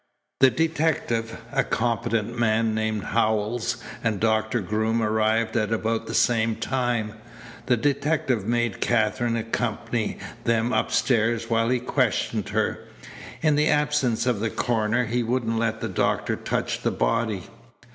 The detective, a competent man named Howells, and Doctor Groom arrived at about the same time. The detective made Katherine accompany them upstairs while he questioned her. In the absence of the coroner he wouldn't let the doctor touch the body.